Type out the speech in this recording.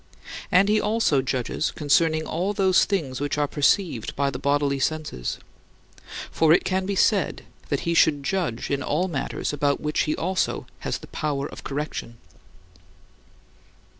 And he also judges concerning all those things which are perceived by the bodily senses. For it can be said that he should judge in all matters about which he also has the power of correction.